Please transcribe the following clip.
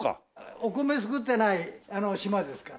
お米作ってない島ですから。